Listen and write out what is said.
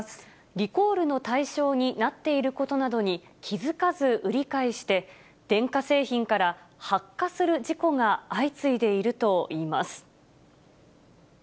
リコールの対象になっていることなどに気付かず売り買いして、電化製品から発火する事故が相次いでいるといいます。